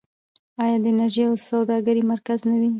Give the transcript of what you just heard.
آیا د انرژۍ او سوداګرۍ مرکز نه وي؟